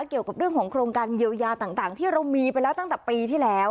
เกี่ยวกับเรื่องของโครงการเยียวยาต่างที่เรามีไปแล้วตั้งแต่ปีที่แล้ว